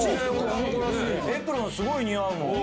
「エプロンすごい似合うもん」